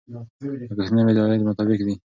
لګښتونه مې د عاید مطابق دي.